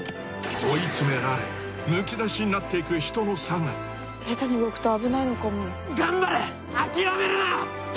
追い詰められむき出しになっていく人の性・ヘタに動くと危ないのかも頑張れ！